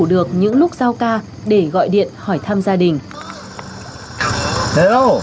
để giữ được những lúc giao ca để gọi điện hỏi thăm gia đình